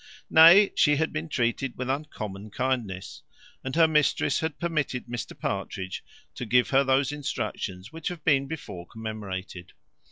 Nay, she had been treated with uncommon kindness, and her mistress had permitted Mr Partridge to give her those instructions which have been before commemorated.